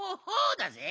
だぜ。